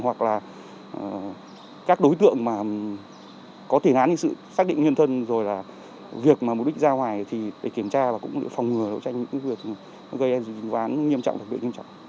hoặc là các đối tượng có thể nán hình sự xác định nhân thân rồi là việc mà mục đích ra ngoài thì để kiểm tra và cũng phòng ngừa đấu tranh những việc gây ảnh hưởng ván